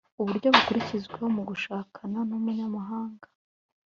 Uburyo bukurikizwa mu gushakana n’ umunyamahanga